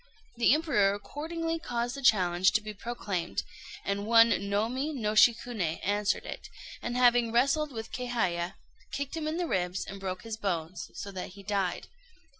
The Emperor accordingly caused the challenge to be proclaimed; and one Nomi no Shikuné answered it, and having wrestled with Kéhaya, kicked him in the ribs and broke his bones, so that he died.